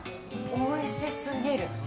おいしすぎる。